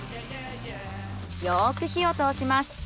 よく火を通します。